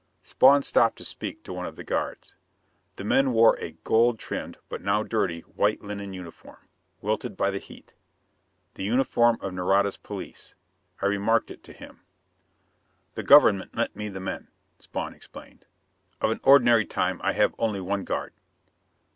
Spawn stopped to speak to one of the guards. The men wore a gold trimmed, but now dirty, white linen uniform, wilted by the heat the uniform of Nareda's police. I remarked it to him. "The government lent me the men," Spawn explained. "Of an ordinary time I have only one guard."